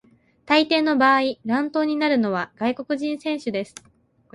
大抵の場合、乱闘になるのは外国人選手です。